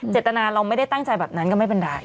เจตนาเราไม่ได้ตั้งใจแบบนั้นก็ไม่เป็นไร